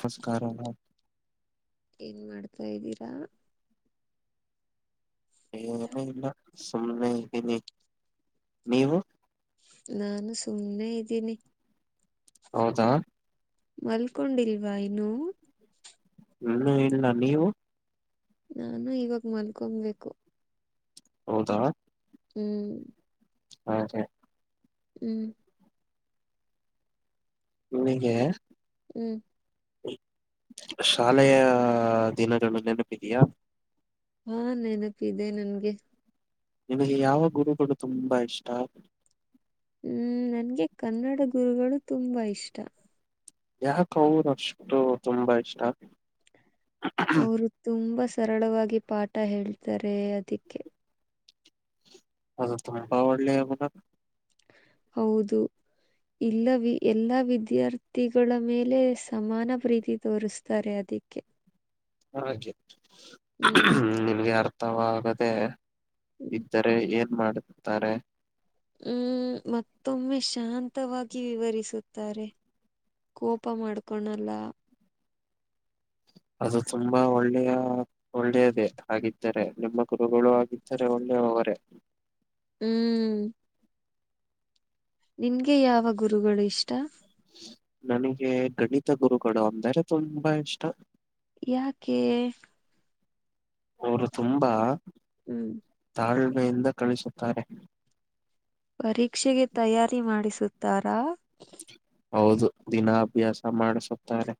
ನಸ್ಕಾರ ಏನ್ ಮಾಡ್ತಾ ಇದ್ದೀರಾ ಏನ ಇಲ್ಲ ಸುಮ್ಮ್ನೆ ಇದ್ದೀನಿ ನೀವು ನಾನು ಸುಮ್ಮನೆ ಇದ್ದೀನಿ ಹೌದಾ ಮಲ್ಕೊಂಡಿಲ್ವಾ ಇನು ಹ್ಮ ಇಲ್ಲ ನೀವು ನಾನು ಇವಾಗ ಮಲ್ಕೊಬೇಕು ಹೌದಾ ಹ್ಮ್ ಹಾ ಸ ಹ್ಮ್ ನಿಗೆ ಹ್ಮ್ ಶಾಲೆಯ ದಿನಗಳು ನೆನಪಿದೆಯಾ ಹಾ ನೆನಪಿ ಇದೆ ನನ್ಗೆ ನಿಮಗೆ ಯಾವ ಗುರುಗಳು ತುಂಬಾ ಇಷ್ಟ ಹ್ಮ್ ನನ್ಗೆ ಕನ್ನಡ ಗುರುಗಳು ತುಂಬಾ ಇಷ್ಟ ಯಾಕ ಅವರುಷ್ಟು ತುಂಬಾ ಇಷ್ಟ ಅವರು ತುಂಬಾ ಸರಳವಾಗಿ ಪಾಠ ಹೇಳ್ತಾರೆ ಅದಕ್ಕೆ. ಅದು ತುಂಬಾ ಒಳ್ಳೆಯದು. ಹೌದು. ಇಲ್ಲ ವಿ ಎಲ್ಲಾ ವಿದ್ಯಾರ್ಥಿಗಳ ಮೇಲೆ ಸಮಾನ ಪ್ರೀತಿ ತೋರಿಸ್ತಾರೆ. ಅದೇ ಅದಕ್ಕೆ. ಹಾಗೆ ಮ ಹ್ಮ್ ನಿಮ್ಗೆ ಅರ್ಥವಾಗದೆ. ಹ್ಮ್ ಇದ್ದರೆ ಏನ್ ಮಾಡುತ್ತಾರೆ. ಹ್ಮ್ ಮತ್ತೊಮ್ಮೆ ಶಾಂತವಾಗಿ ವಿವರಿಸುತ್ತಾರೆ. ಕೋಪ ಮಾಡ್ಕೊಣಲ್ಲ. ಅದು ತುಂಬಾ ಒಳ್ಳೆಯ ಒಳ್ಳೆಯದೇ ಹಾಗಿದ್ದರೆ ನಿಮ್ಮ ಗುರುಗಳು ಆಗಿದ್ದರೆ ಒಳ್ಳೆ ವರೆ, ಹ್ಮ್. ನಿನ್ಗೆ ಯಾವ ಗುರುಗಳು ಇಷ್ಟ. ನನಗೆ ಗಣಿತ ಗುರುಗಳು ಅಂದರೆ ತುಂಬಾ ಇಷ್ಟ. ಯಾಕೆ ಅವರು ತುಂಬಾ, ಹ್ಮ್. ತಾಳ್ಮೆ ಇಂದ್ ಕಳಿಸುತ್ತಾರೆ. ಪರೀಕ್ಷೆಗೆ ತಯಾರಿ ಮಾಡಿಸುತ್ತಾರಾ. ಹೌದು ದಿನ ಅಭ್ಯಾಸ ಮಾಡಿಸುತ್ತಾರೆ.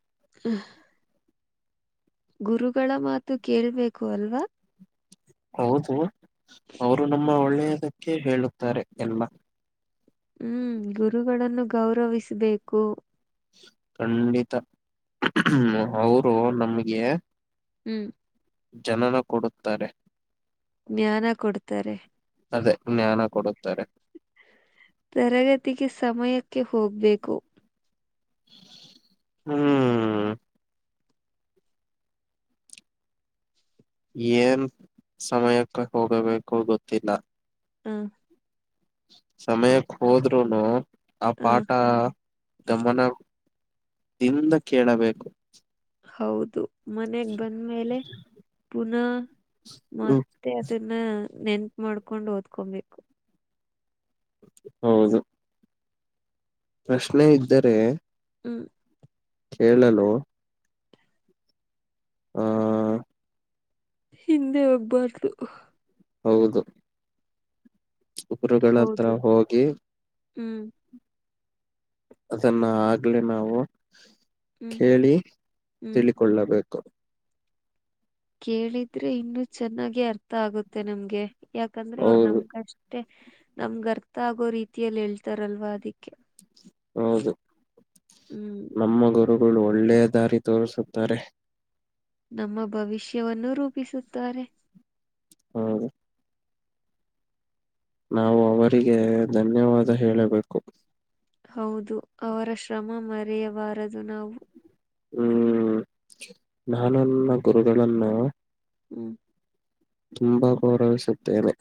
ಗುರುಗಳ ಮಾತು ಕೇಳ್ಬೇಕು ಅಲ್ವಾ, ಹೌದು ಅವರು ನಮ್ಮ ಒಳ್ಳೆಯದಕ್ಕೆ ಹೇಳುತ್ತಾರೆ. ಎಲ್ಲ, ಹ್ಮ್ ಗುರುಗಳನ್ನು ಗೌರವಿಸಬೇಕು. ಖಂಡಿತ್ ಅವರು ನಮ್ಗೆ, ಹ್ಮ್. ಜನನ ಕೊಡುತ್ತಾರೆ. ಜ್ಞಾನ ಕೊಡ್ತಾರೆ ಅದೇ ಜ್ಞಾನ ಕೊಡುತ್ತಾರೆ. ತರಗತಿಗೆ ಸಮಯಕ್ಕೆ ಹೋಗ್ಬೇಕು. ಹ್ಮ್. ಏನ್ ಸಮಯಕ್ಕೆ ಹೋಗಬೇಕು. ಗೊತ್ತಿಲ್ಲ, ಹ್ಮ. ಸಮಯಕ್ಕೆ ಹೋದ್ನು ಆ ಹ ಪಾಠ ಗಮನ, ನಿಂದ್ ಕೇಳಬೇಕು. ಹೌದು. ಮನೆಗ್ ಬಂದ್ಮೇಲೆ ಪುನಃ ಹ್ಮ್ ಮತ್ತೆ ಅದನ್ನ, ನೆನ್ಪು ಮಾಡ್ಕೊಂಡು ಓದ್ಕೊಬೇಕು. ಹೌದು. ಪ್ರಶ್ನೆ ಇದ್ದರೆ, ಹ್ಮ್, ಕೇಳಲು, ಹಾ, ಹಿಂದೆ ಹೋಗ್ಬಾರ್ದು. ಹೌದು ಗುರುಗಳ ಹತ್ರ ಹೌದು ಹೋಗಿ, ಹ್ಮ್. ಅದನ್ನ ಆಗ್ಲೇ ನಾವು ಹ್ಮ್ ಕೇಳಿ ಹ್ಮ್ ತಿಳಿಕೊಳ್ಳಬೇಕು. ಕೇಳಿದ್ರೆ ಇನ್ನು ಚೆನ್ನಾಗೆ ಅರ್ಥ ಆಗುತ್ತೆ ನಮ್ಗೆ. ಯಾಕಂದ್ರೆ ಅವ್ರ ಹೌದು ನಮ್ಕಷ್ಟ ಷ್ಟೆ ನಮ್ಗ ಅರ್ಥ ಆಗೋ ರೀತಿಯಲ್ಲಿ ಹೇಳ್ತಾರಲ್ವಾ ಅದಿಕ್ಕೆ. ಹೌದು ನಮ್ಮಗುರ ಒಳ್ಳೆ ದಾರಿ ತೋರಿಸುತ್ತಾರೆ.. ನಮ್ಮ ಭವಿಷ್ಯವನ್ನು ರೂಪಿಸುತ್ತಾರೆ. ಹಾ, ನಾವು ಅವರಿಗೆ ಧನ್ಯವಾದ ಹೇಳಬೇಕು ಹೌದು ಅವರ ಶ್ರಮ ಮರೆಯಬಾರದು ನಾವು ಹ್ಮ್ ನಾನನ್ನ ಗುರುಗಳಗಳನ್ನು ಹ್ಮ್ ತುಂಬಾ ಗೌರವಿಸುತ್ತೇನೆ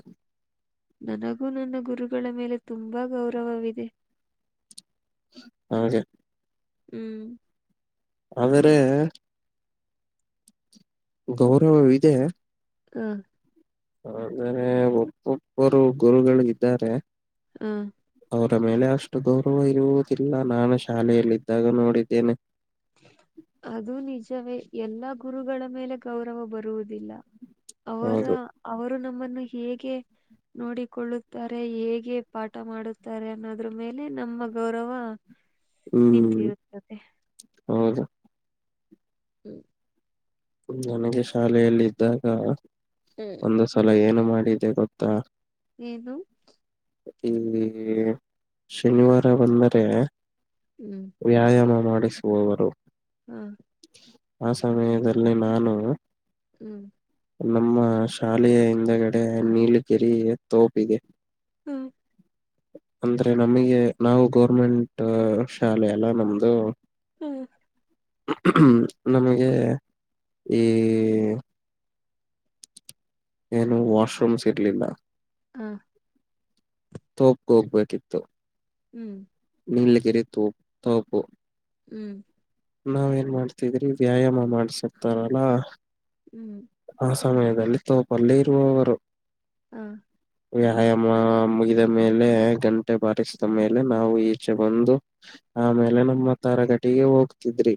ನನಗೂ ನನ್ನ ಗುರುಗಳ ಮೇಲೆ ತುಂಬಾ ಗೌರವವಿದೆ ಹ ಹ್ಮ್ ಆದೇ್ರ ಗೌರವ ಇಿದೆ ಹ ಆದ್ರೆ ಒಬ್ಬೊಬ್ಬರು ಗುರುಗಳು ಇದ್ದಾರೆ ಹ ಅವರ ಮೇಲೆ ಅಷ್ಟು ಗೌರವ ಇರುವುದಿಲ್ಲ ನಾನು ಶಾಲೆಯಲ್ಲಿದ್ದಾಗ ನೋಡಿದ್ದೇನೆ ಅದುೂ ನಿಜವೇ ಎಲ್ಲ ಗುರುಗಳ ಮೇಲೆ ಗೌರವ ಬರುವುದಿಲ್ಲ ಅವರ ಹೌದು ಅವರು ನಮ್ಮನ್ನು ಹೇಗೆ ನೋಡಿಕೊಳ್ಳುತ್ತಾರೆ ಹೇಗೆ ಪಾಠ ಮಾಡುತ್ತಾರೆ ಅನ್ನೋದ್ರ ಮೇಲೆ ನಮ್ಮ ಗೌರವ ಹ್ಮ್ ನಿಂತಿರುತ್ತದೆ ಹೌದು ಹ್ಮ್ ನನಗೆ ಶಾಲೆಯಲ್ಲಿ ಇದ್ದಾಗ ಹ್ಮ್ ಒಂದು ಸಲ ಏನು ಮಾಡಿದ್ದ ಗೊತ್ತಾ ಏದು ಈ ಶನಿವಾರ ಬಂದರೆ ಹ್ಮ್ ವ್ಯಾಯಾಮ ಮಾಡಿಸುವವರು ಹ್ಮ್ ಆ ಸಮಯದಲ್ಲಿ ನಾನು ಹ್ಮ್ ನಮ್ಮ ಶಾಲೆಯ ಹಿಂದಗಡೆ ನೀಲ ಗೆರಿ ತೋಪ್ ಇದೆ ಹ್ಮ್ ಅಂದ್ರೆ ನಮಗೆ ನಾವು ಗೌರ್ಮೆಂಟ ಶಾಲೆ ಅಲ್ಲ ನಮ್ದು ಹ್ಮ್ ಹ್ಮ ನಮಗೆ ಈ ಏನು ವಾಷ್ರೂಮ್ಸ್ ಇರ್ಲಿಲ್ಲ ಹಾ ತೋಪ ಹೋಗ್ಬೇಕಿತ್ತು ಹ್ಮ್ ನೀಲ್ ಗೆರೆ ತೋ ತೋಪು ಹ್ಮ್ ನಾವ್ ಏನ ಮಾಡ್ತಿದ್ರಿ ವ್ಯಾಯಾಮ ಮಾಡ್ಸಕ್ತಾರಲ್ಲ ಹ್ಮ್ ಆ ಸಮಯದಲ್ಲಿ ತೋಪಲ್ಲಿ ಇರುವವರು ಹಾ ವ್ಯಾಯಾಮ ಮುಗಿದ ಮೇಲೆ ಗಂಟೆ ಬಾರಿಸಿದ ಮೇಲೆ ನಾವು ಈಚೆ ಬಂದು ಆಮೇಲೆ ನಮ್ಮ ತರಗಟಿಗೆ ಹೋಗ್ತಿದ್ರಿ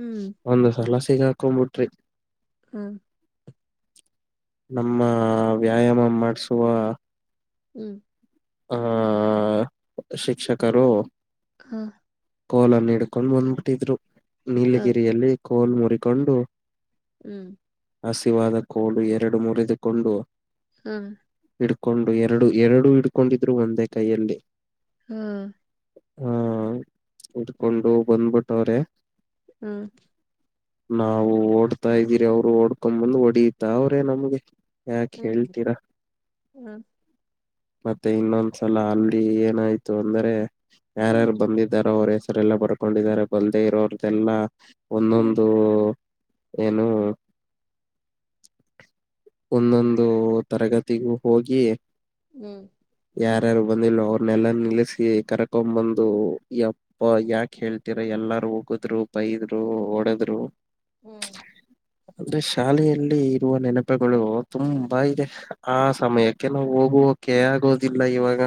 ಹ್ಮ್ ಒಂದು ಸಲ ಹಾಕೊಂಬಿಟ್ರಿ ಹಾ ನಮ್ಮ ವ್ಯಾಯಾಮ ಮಾಡಸುವ ಹ್ಮ್ ಆ ಶಿಕ್ಷಕರು ಹಾ ಕೋಲನ್ನು ಹಿಡ್ಕೊಂಡು ಬಂದ್ಬಿಟ್ಟಿದ್ರು ಹಾ ನೀಲಗಿರಿಯಲ್ಲಿ ಕೋಲ ಮುರಿಕೊಂಡು ಹ್ಮ್ ಹಸಿವಾದ ಕೋಲು ಎರಡು ಮುರಿದುಕೊಂಡು ಹ್ಮ ಹಿಡ್ಕೊಂಡು ಎರಡು ಎರಡು ಹಿಡ್ಕೊಂಡಿದ್ರು ಒಂದೇ ಕೈಯಲ್ಲಿ ಹ್ಮ ಹಾ ಇಟ್ಕೊಂಡು ಬಂದ್ಬಿಟ್ಟವ್ರೆ ಹ್ಮ ನಾವು ಓಡ್ತಾ ಇದ್ದೀರಿ ಅವರು ಓಡ್ಕೊಂಡ ಬಂದು ಹೊಡಿಯತ ಅವ್ರೇ ನಮ್ಗೆ ಯಾಕೆ ಹ್ಮ್ ಹೇಳ್ತೀರಾ ಹಾ ಮತ್ತೆ ಇನ್ನೊಂದ ಸಲ ಅಲ್ಲಿ ಏನಾಯ್ತು ಅಂದ್ರೆ ಯಾರ್ಯಾರು ಹ್ಮ್ ಬಂದಿದಾರ ಅವ್ರ ಹೆಸರೆ ಎಲ್ಲ ಬರ್ಕೊಂಡಿದ್ದಾರೆ ಬಲ್ಲದೆ ಇರೋ್ರದೆಲ್ಲಾ ಹ್ಮ್ ಒಂದೊಂದು ಏನು ಒಂದೊಂದು ತರಗತಿಗೂ ಹೋಗಿ ಹ್ಮ್ ಯಾರ್ಯಾರು ಬಂದಿಲ್ಲೋ ಅವ್ರನ್ನೆಲ್ಲ ನಿಲ್ಲಿಸಿಿ ಕರ್ಕೊಂಡ್ ಬಂದು ಯಪ್ಪ ಯಾಕ ಹೇಳ್ತೀರ ಎಲ್ಲಾರು ಹೋಗುದ್ರು ಬೈದ್ರು ಓಡದ್ರು ಹ್ಮ್ ಅಂದ್ರೆ ಶಾಲೆಯಲ್ಲಿ ಇರುವ ನೆನಪುಗಳು ತುಂಬಾ ಇದೆ ಆ ಸಮಯಕ್ಕೆ ನಾವು ಹೋಗುವ ಕೆ ಆಗೋದಿಲ್ಲ ಇವಾಗ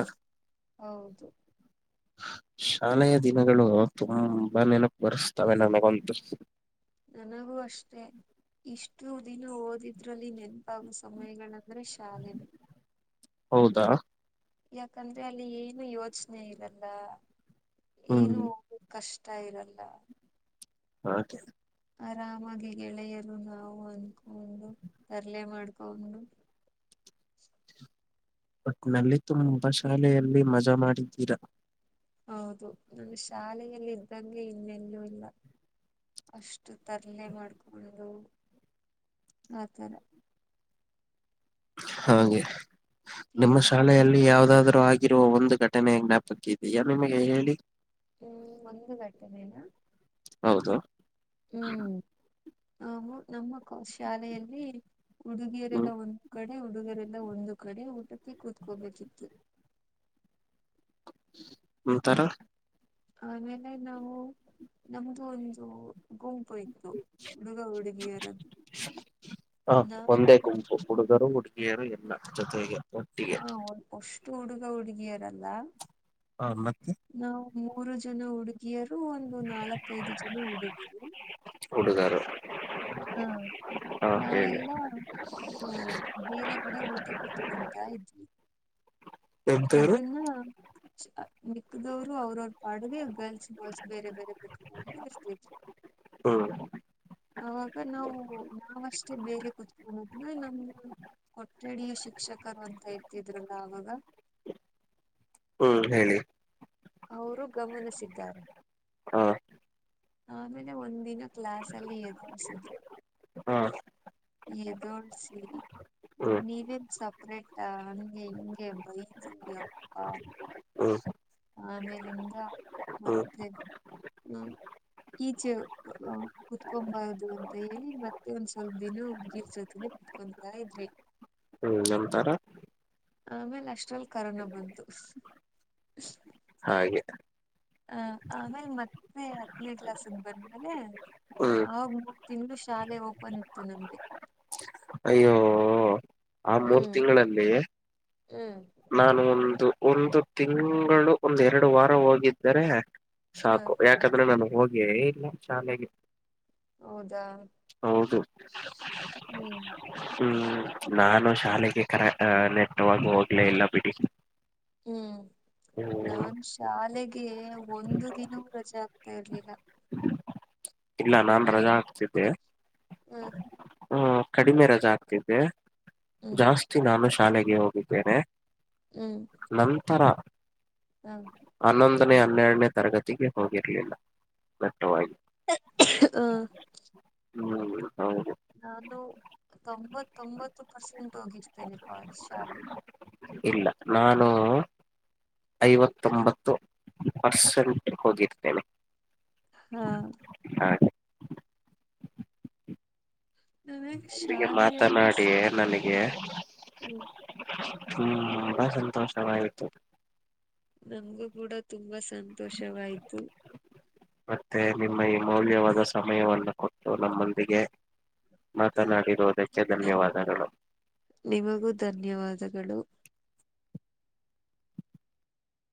ಹೌದು ಹ ಶಾಲೆಯ ದಿನಗಳು ತುಂಬಾ ನೆನಪು ಬರೆಸ್ತಾವೆ ನನಗಂತೂ ನನಗೂ ಅಷ್ಟೆ ಇಷ್ಟು ದಿನ ಓದಿದ್ರಲ್ಲಿ ನೆನ್ ಸಮಯಗಳಂದ್ರೆ ಶಾಲೆನೆ ಹೌದಾ ಯಾಕಂದ್ರೆ ಅಲ್ಲಿ ಏನು ಯೋಚನೆ ಇರಲ್ಲ ಏನು ಹ್ಮ್ ಹೋಗ ಕಷ್ಟ ಇಷ್ಟ ಇರಲ್ಲ ಆಕೆ ಆರಾಮಾಗಿ ಗೆಳೆಯರು ನಾವು ಅನ್ಕೊಂಡು ತರಲೆ ಮಾಡ್ಕೊಂಡು [inaudible] ಒಟ್ನಲ್ಲಿ ತುಂಬಾ ಶಾಲೆಯಲ್ಲಿ ಮಜಾ ಮಾಡಿದ್ದೀರಾ ಹೌದು ನನ್ನ ಶಾಲೆಯೆಯಲ್ಲಿ ಇದ್ದಂಗೆ ಇನ್ನೆಲ್ಲೂ ಇಲ್ಲ ಅಷ್ಟು ತರಲೆ ಮಾಡ್ಕೊಂಡು ಆತರ ಹಾಗೆ ಪಿ ನಿಮ್ಮ ಯು ಕಾಲೇಜ್ ಶಾಲೆಯಲ್ಲಿ ಯಾವ್ದಾದ್ರು ಆ ರುವ ಒಂದು ಘಟನೆೆಯ ಜ್ಞಾಪಕ ಇದೆಯಾ ನಿಮಗೆ ಹೇಳಿ ಹ್ಮ್ ಒಂದು ಗಟ್ಟನೇನಾ ಹೌದು ಹ್ಮ್ ನಾವು ನಮ್ಮ ಶಾಲೆಯಲ್ಲಿ ಹ್ಮ್ ಉಡುಗಿಯರೆಲ್ಲ ಒಂದ್ ಕಡೆ ಉಡುಗಿಯರೆ ಒಂದು ಕಡೆ ಊಟಕ್ಕೆ ಕೂತ್ಕೋಬೇಕಿತ್ತು ಒಂತರ ಆಮೇಲೆ ನಾವು ನಮ್ದು ಒಂದು ಗುಂಪು ಇತತ್ತು ಹುಡುಗ ಹುಡುಗಿಯರದು ಹ ಒಂದೇ ಗುಂಪು ಹುಡುಗರು ಹುಡುಗಿಯರು ಎಲ್ಲ ಜೊತೆಗೆ ಒಟ್ಟಿಗೆ. ಹಾ ಅಷ್ಟು ಹುಡುಗ ಹುಡುಗಿಯರಲ್ಲ ಹಾ ಮತ್ತೆ ನಾವು ಮೂರು ಜನ ಹುಡುಗಿಯರು ಒಂದು ನಾಲ್ಕೈದು ಜನ ಹುಡುಗರು ಹುಡುಗರು ಹಾ ಹ ಹೇಳಿ ನಾವೆಲ್ಲಾ ಹ ಬೇರೆ ಕಡೆ ಊಟಕ್ಕ ಹೋಗ್ತಾ ಇದ್ವಿ. ಎಂತವ್ರು ಅದನ್ನ ನಿಕ್ಕದವರು ಅವ್ರವರ - ಅಡುಗೆ ಗರ್ಲ್ಸ್ ಬಾಯ್ಸ್ ಬೇರೆ ಬೇರೆ ಕತ್ಕೊಂಡ ಇರ್ತಿದ್ರು. ಹ್ಮ್. ಅವಾಗ ನಾವು ನಾವಷ್ಟೇ ಬೇರೆ ಕುತ್ಕೊಂಡದ್ನ್ನ ನಮ್ಮ ಕೊಠಡಯ ಶಿಕ್ಷಕರು ಅಂತ ಇರ್ತಿದ್ರಲ್ಲ ಅವಾಗ - ಹ್ಮ್ ಹೇಳಿ. ಅವರು ಗಮನಿಸಿದ್ದಾರೆ. ಹಾ ಆಮೇಲೆ ಒಂದಿನ ಕ್ಲಾಸ್ ಅಲ್ಲಿ ಎದಸಿದ್ರು ಹಾ ತೋಳ್ಸಿ ಹ್ಮ್ ನೀವನ್ ಸಪ್ಪ [inaudible] ಹಂಗೆ ಹಿಂಗೆ ಬೈದ್ರುಯಪ್ಪಾ. ಹ್ಮ್ ಆಮೇಲಿಂದ ಹ್ಮ್ ಮತ್ತೆ ಈಚೆ ಕುತ್ಕೊಬಾರದು ಅಂತ ಹೇಳಿ ಮತ್ತೆ ಒಂದ್ ಸ್ವಲ್ಪ ದಿನ ನಿಲ್ಸದ್ವಿ. ಕುಂತಾ ಇದ್ರಿ. ಹ್ಮ್ ನಮ್ಮತರಾ - ಆಮೇಲೆ ಅಷ್ಟ್ರಲ್ಲಿ ಕರೋನಾ ಬಂತು. ಹಾಗೆ. ಹ ಆಮೇಲೆ ಮತ್ತೆ ಹತ್ತನೇ ಕ್ಲಾಸ್ಗ್ ಬಂದ್ಮೇಲೆ. ಹ್ಮ್ ಆವಾಗ ಮೂರ್ ತಿಂಗಳು ಶಾಲೆ ಓಪನ್ ಇತ್ತು ನಮ್ಗೆ. ಅಯ್ಯೋ ಆ ಮೂರ್ ಹ್ಮ್ ತಿಂಗಳಲ್ಲಿ. ಹ್ಮ್ ನಾನು ಒಂದು ಒಂದು ತಿಂಗಳು ಒಂದ ಎರಡು ವಾರ ಹೋಗಿದ್ದರೆ. ಹಾ ಸಾಕು ಯಾಕಂದ್ರೆ ನಾನು ಹೋಗೆಇಲ್ಲ ಶಾಲೆಗೆ. ಹೌದಾ ಹೌದು. ಹ್ಮ್ ಹ್ಮ್ ನಾನು ಶಾಲೆಗೆ ಕರೆ ನೆಟ್ಟವಾಗ ಹೋಗ್ಲೇ ಇಲ್ಲ ಬಿಡಿ. ಹ್ಮ್ ಹ್ಮ್ ನಾನ್ ಶಾಲೆಗೆ ಒಂದು ದಿನವೂ ರಜೆ ಆಗ್ತ ಹಾಕ್ತಾ ಇರ್ಲಿಲ್ಲ. ಇಲ್ಲ ನಾನ್ ನನ್ ರಜಾ ಹಾಕ್ತಿದ್ದೆ ಹ್ಮ್ ಹ ಕಡಿಮೆ ರಜಾ ಹಾಕ್ತಿದ್ದೆ. ಹ್ಮ್ ಜಾಸ್ತಿ ನಾನು ಶಾಲೆಗೆ ಹೋಗಿದ್ದೇನೆ ನಂತರ ಹಾ ಹತ್ತನೇ ಹನ್ನೆರಡನೇ ತರಗತಿಗೆ ಹೋಗಿರಲಿಲ್ಲ ದಟ್ಟವಾಗಿ [inaudible] ಹ. ಹ್ಮ್ ಹೌದ. ನಾನು ತೊಂಬತ್ತೊಂಬತ್ತು ಪರ್ಸೆಂಟ್ ಹೋಗಿರ್ತೇನೆ ಕ ಶಾಲೆಗೆ. ಇಲ್ಲ ನಾನು- ಐವತ್ತೊಂಬತ್ತು ಪರ್ಸೆಂಟ್ ಹೋಗಿರ್ತೇನೆ. ಹಾ ಹಾಗೆ ನನಗೆ ಇಲ್ಲಿಗೆ ಶಾಲೆಯಲ್ಲಿ ಮಾತನಾಡಿ ನನಗೆ ತುಂಬಾ ಸಂತೋಷವಾಯ್ತು. ನಮಗೂ ಕೂಡ ತುಂಬಾ ಸಂತೋಷವಾಯ್ತು. ಮತ್ತೆ ನಿಮ್ಮ ಈ ಮೌಲ್ಯವಾದ ಸಮಯವನ್ನು ಕೊಟ್ಟು ನಮ್ಮೊಂದಿಗೆ ಮಾತನಾಡಿರುವುದಕ್ಕೆ ಧನ್ಯವಾದಗಳು. ನಿಮಗೂ ಧನ್ಯವಾದಗಳು.